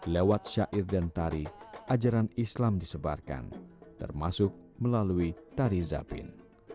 lewat syair dan tari ajaran islam disebarkan termasuk melalui tari zapin